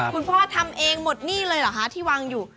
คุณพ่อทำเองหมดหนี้เลยเหรอคะที่วางอยู่